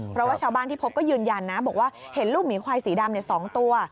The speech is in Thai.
เพราะว่าชาวบ้านที่พบก็ยืนยันนะบอกว่าเห็นลูกหมีควายสีดำ๒ตัว